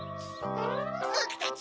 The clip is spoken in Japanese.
ボクたち